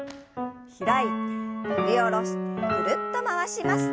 開いて振り下ろしてぐるっと回します。